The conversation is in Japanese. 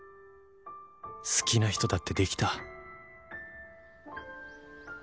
好きな人だってできた